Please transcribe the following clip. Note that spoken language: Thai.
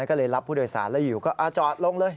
ก็เลยรับผู้โดยสารแล้วอยู่ก็จอดลงเลย